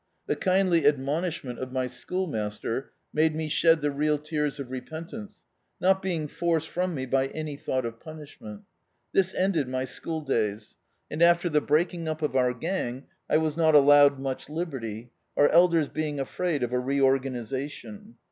The kindly admonishment of my schoolmaster made me shed the real tears of repentance, not being forced from me by any thought of punishment. This ended my schooldays; and after the breaking up of our gang, I was not allowed much liberty, our elders being afraid of a reorgani sation.